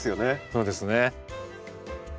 そうですね。